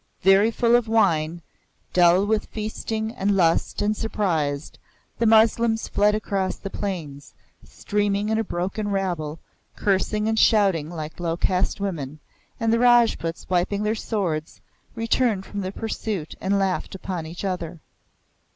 Very full of wine, dull with feasting and lust and surprised, the Moslems fled across the plains, streaming in a broken rabble, cursing and shouting like low caste women; and the Rajputs, wiping their swords, returned from the pursuit and laughed upon each other.